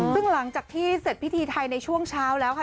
ซึ่งหลังจากที่เสร็จพิธีไทยในช่วงเช้าแล้วค่ะ